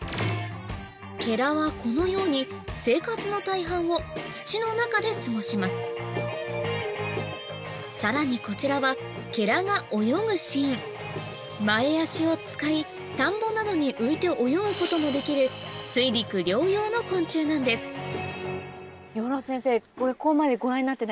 ケラはこのようにさらにこちらはケラが泳ぐシーン前脚を使い田んぼなどに浮いて泳ぐこともできる水陸両用の昆虫なんですあっ